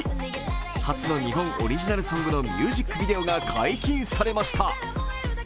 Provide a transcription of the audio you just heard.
初の日本オリジナルソングのミュージックビデオが解禁されました。